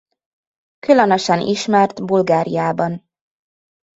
Különösen ismert Bulgáriában.